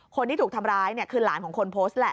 คนที่ถูกทำร้ายเนี่ยคือหลานของคนโพสต์แหละ